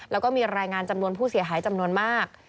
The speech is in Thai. แล้วก็มีรายงานจำนวนผู้เสียหายจำนวนมาก